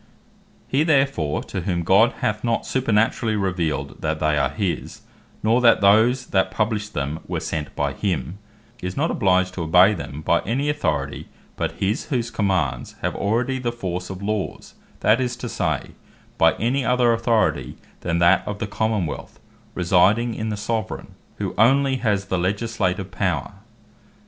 He therefore, to whom God hath not supernaturally revealed, that they are his, nor that those that published them, were sent by him, is not obliged to obey them, by any Authority, but his, whose Commands have already the force of Laws; that is to say, by any other Authority, then that of the Common wealth, residing in the Soveraign, who only has the Legislative power.